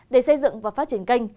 để xây dựng và phát triển kênh